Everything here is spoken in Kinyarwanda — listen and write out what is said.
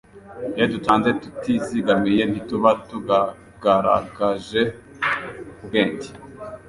Iyo dutanze tutizigamiye ntituba tugagaragaje ubwenge